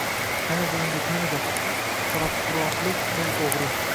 Tanidi endi tanidi qoraquroqlik kal o‘g‘ri